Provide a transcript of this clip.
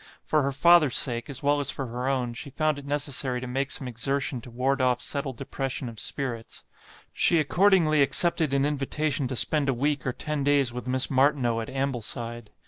For her father's sake, as well as for her own, she found it necessary to make some exertion to ward off settled depression of spirits. She accordingly accepted an invitation to spend a week or ten days with Miss Martineau at Ambleside.